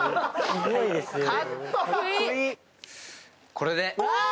これで。